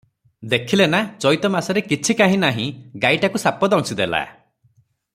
ଦେଖିଲେ ନା ଚୈଇତମାସରେ କିଛି କାହିଁ ନାହିଁ, ଗାଈଟାକୁ ସାପ ଦଂଶିଦେଲା!